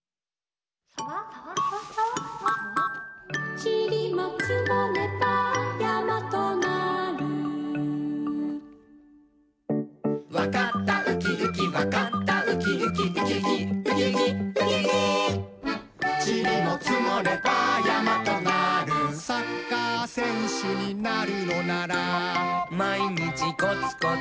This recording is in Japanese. サワサワサワサワちりもつもればやまとなるわかったウキウキわかったウキウキウキウキウキウキウキウキちりもつもればやまとなるサッカーせんしゅになるのならまいにちコツコツ！